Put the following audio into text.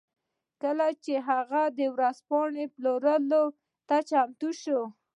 کله چې هغه د ورځپاڼو پلورلو ته چمتو شي